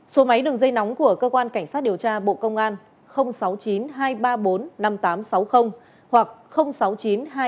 số máy đường dây nóng của cơ quan cảnh sát điều tra bộ công an sáu mươi chín hai trăm ba mươi bốn năm nghìn tám trăm sáu mươi hoặc sáu mươi chín hai trăm ba mươi hai một nghìn sáu trăm